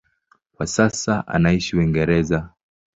Kwa sasa anaishi Uingereza.